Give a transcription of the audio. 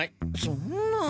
そんな。